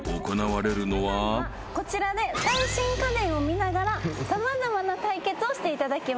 こちらで最新家電を見ながら様々な対決をしていただきます。